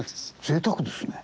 ぜいたくですね。